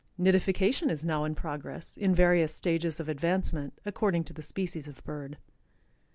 Nidification is now in progress in various stages of advancement, according to the species of bird.